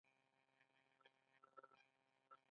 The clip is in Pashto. د برمل ولسوالۍ ځنګلونه لري